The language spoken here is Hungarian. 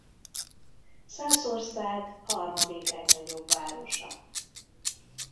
Szászország harmadik legnagyobb városa.